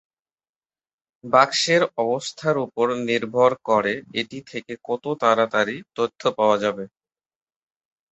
বাক্সের অবস্থার উপর নির্ভর করে এটি থেকে কত তাড়াতাড়ি তথ্য পাওয়া যাবে।